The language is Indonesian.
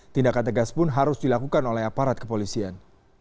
tindakan tegas pun harus dilakukan oleh aparat kepolisian